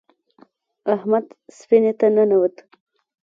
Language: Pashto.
احمد سفینې ته ننوت.